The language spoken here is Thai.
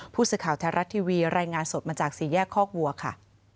ผู้สื่อข่าวแท้รัฐทีวีรายงานสดมาจากสี่แยกคอกวัวค่ะ